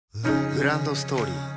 グランドストーリー